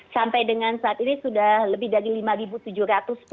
sampai dengan saat ini sudah lebih dari lima tujuh ratus penumpang